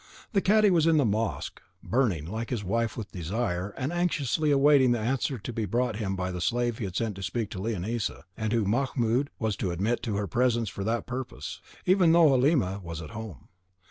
The cadi was in the mosque, burning, like his wife, with desire, and anxiously awaiting the answer to be brought him by the slave he had sent to speak to Leonisa, and whom Mahmoud was to admit to her presence for that purpose, even though Halima was at home.